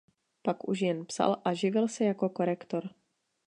Pak už jen psal a živil se jako korektor.